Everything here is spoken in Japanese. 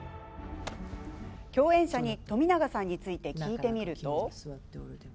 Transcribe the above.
共演者に冨永さんについて聞いてみると。